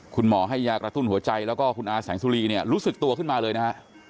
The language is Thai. คุณหมอให้ยากระตุ้นหัวใจแล้วก็คุณอาแสงสุรีเนี่ยรู้สึกตัวขึ้นมาเลยนะฮะ